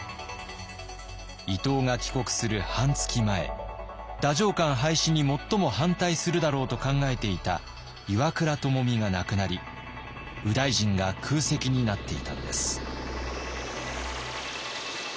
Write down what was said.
伊藤が帰国する半月前太政官廃止に最も反対するだろうと考えていた岩倉具視が亡くなり右大臣が空席になっていたのです。